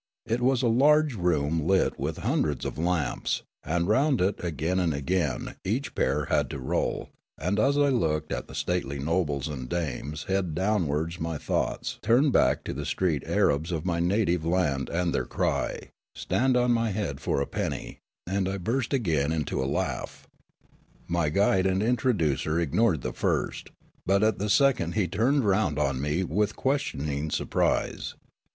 It was a large room lit with hundreds of lamps, and round it again and again each pair had to roll, and as I looked at the stately nobles and dames head downwards my thoughts turned back to the street arabs of my native land and their cry, " Stand on my head for a penny," and I burst again into a laugh. My guide and intro ducer ignored the first ; but at the second he .turned round on me with questioning surprise.